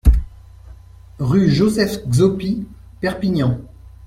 Rue Joseph Xaupi, Perpignan